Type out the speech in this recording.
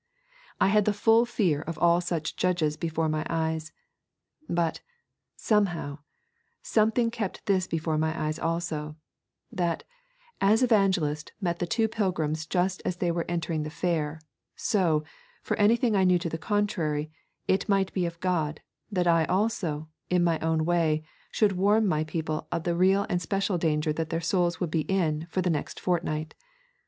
I had the full fear of all such judges before my eyes; but, somehow, something kept this before my eyes also, that, as Evangelist met the two pilgrims just as they were entering the fair, so, for anything I knew to the contrary, it might be of God, that I also, in my own way, should warn my people of the real and special danger that their souls will be in for the next fortnight.